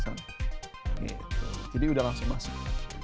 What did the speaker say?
gitu jadi sudah langsung masuk